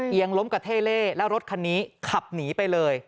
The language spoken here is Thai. ยังล้มกระเท่เล่แล้วรถคันนี้ขับหนีไปเลย